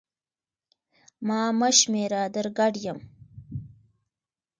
ما مه شمېره در ګډ یم